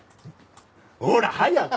ほら早く！